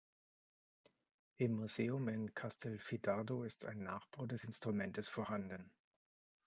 Im Museum in Castelfidardo ist ein Nachbau des Instrumentes vorhanden.